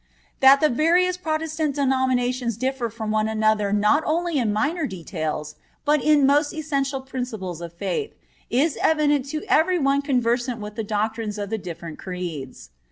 That the various Protestant denominations differ from one another not only in minor details, but in most essential principles of faith, is evident to every one conversant with the doctrines of the different Creeds.